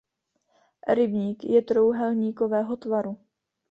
Rybník je trojúhelníkového tvaru.